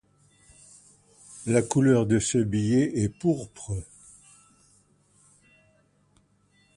La couleur de ce billet est pourpre.